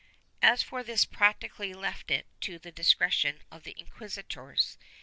"^ As this practically left it to the discretion of the inquisitors.